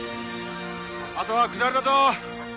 あとは下りだぞー！